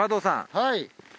はい。